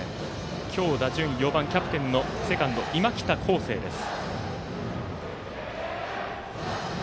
今日、打順４番キャプテンのセカンド今北孝晟です。